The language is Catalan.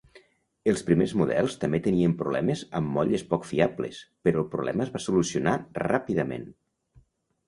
Els primers models també tenien problemes amb molles poc fiables, però el problema es va solucionar ràpidament.